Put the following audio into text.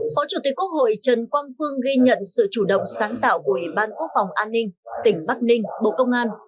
phó chủ tịch quốc hội trần quang phương ghi nhận sự chủ động sáng tạo của ủy ban quốc phòng an ninh tỉnh bắc ninh bộ công an